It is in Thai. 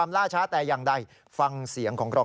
แต่ถ้ามันผิดหลักผลหมายบ้านเมืองคุณจัวเลย